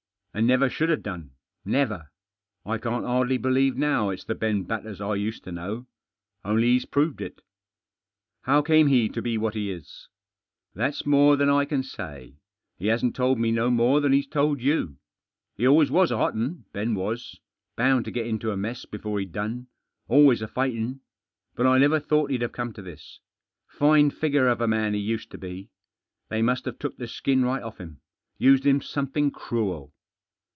And never should have done — never. I can't hardly believe now it's the Beh Batters I used to know. Only he's proved it.*' " How came he to be what he is ?"" That's more than I can say. He hash't told me no more than he's told you. He alwajtt Was a hot 'un, Ben was. Bound to get into a mess befote he'd done. Always a fightin'. But I never thought hfe'd have Digitized by 272 THE JOSS. come to this. Fine figure of a man he used to be. They must have took the skin right off him — used him something cruel."